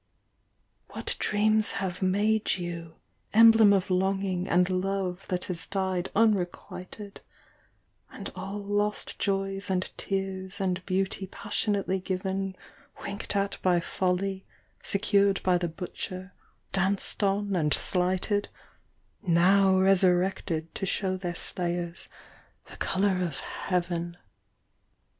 What dreams have made you, emblem of longing and love that has died unrequited, And all lost joys and tears and beauty passionately given Winked at by folly, secured by the butcher, danced on and slighted, Now resurrected to show their slayers the colour of Heaven.